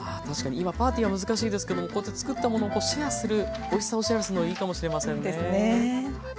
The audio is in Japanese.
確かに今パーティーは難しいですけどこうやってつくったものをシェアするおいしさをシェアするのいいかもしれませんね。